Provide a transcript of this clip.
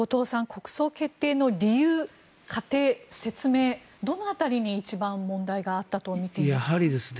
国葬決定の理由、過程、説明どの辺りに一番問題があったと見ていますか。